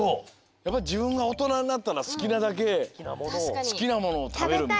やっぱりじぶんがおとなになったらすきなだけすきなものをたべるみたいな。